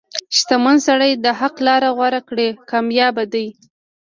• شتمن سړی که د حق لار غوره کړي، کامیابه دی.